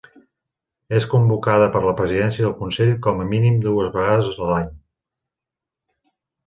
És convocada per la Presidència del Consell com a mínim dues vegades l'any.